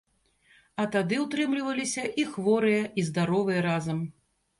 А тады ўтрымліваліся і хворыя, і здаровыя разам.